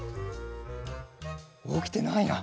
おきてないな。